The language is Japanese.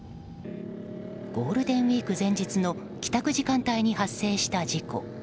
ゴールデンウィーク前日の帰宅時間帯に発生した事故。